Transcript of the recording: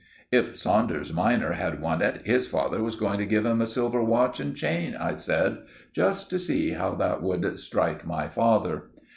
"If Saunders minor had won it, his father was going to give him a silver watch and chain," I said, just to see how that would strike my father.